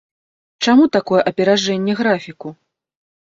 Чаму такое аперажэнне графіку?